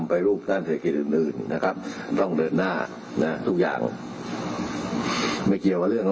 มีศาสตราจารย์พิเศษวิชามหาคุณเป็นประเทศด้านกรวมความวิทยาลัยธรม